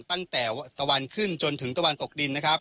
ตั้งแต่ตะวันขึ้นจนถึงตะวันตกดินนะครับ